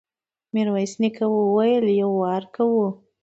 ميرويس نيکه وويل: يو وار کوو.